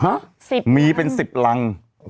๑๐หลังอเจมส์มีเป็น๑๐หลัง